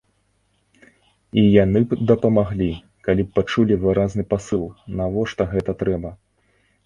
І яны б дапамаглі, калі б пачулі выразны пасыл, навошта гэта трэба.